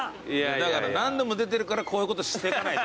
だから何度も出てるからこういうことしていかないと。